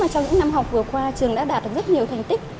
trong những năm học vừa qua trường đã đạt được rất nhiều thành tích